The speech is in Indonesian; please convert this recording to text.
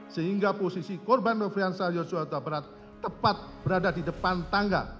sehingga posisi korban nofriansah yosua utabarat tepat berada di depan tangga